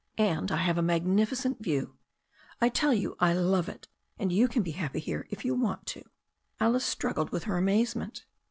And I have a magnificent view. I tell you I love it. And you can be happy here if you want to." Alice struggled with her amazement.